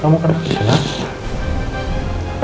kamu kenapa disini